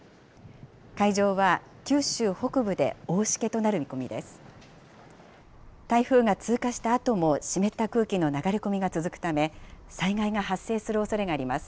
海上は、九州北部で大しけとなる見込みです。